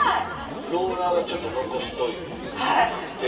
ローラーはちょっと残しといて。